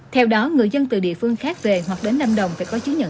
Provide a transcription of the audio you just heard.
theo đó người dân từ địa phương khác về hoặc đến lâm đồng phải có chứng nhận